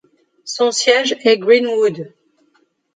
Son siège est Greenwood.